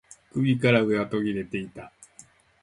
首から上は途切れていた